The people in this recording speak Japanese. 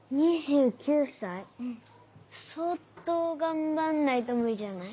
相当頑張んないと無理じゃない？